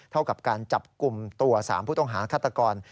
เท่ากับการจับกลุ่มตัว๓ผู้ต้องหาฆาตกร